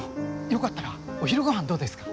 よかったらお昼ごはんどうですか？